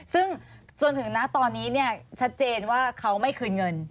ซึ่งจนถึงนะตอนนี้เนี่ยชัดเจนว่าเขาไม่คืนเงิน